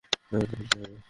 আরেকটা ফেলতে হবে।